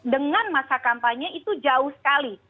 dengan masa kampanye itu jauh sekali